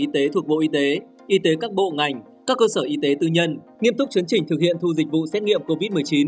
y tế thuộc bộ y tế y tế các bộ ngành các cơ sở y tế tư nhân nghiêm túc chấn chỉnh thực hiện thu dịch vụ xét nghiệm covid một mươi chín